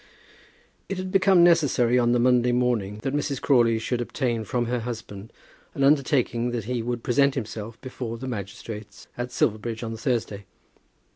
It had become necessary on the Monday morning that Mrs. Crawley should obtain from her husband an undertaking that he would present himself before the magistrates at Silverbridge on the Thursday.